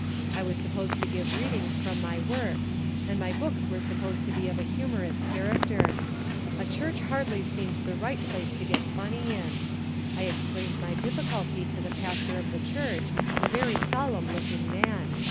I was supposed to give readings from my works, and my books are supposed to be of a humorous character. A church hardly seemed the right place to get funny in. I explained my difficulty to the pastor of the church, a very solemn looking man.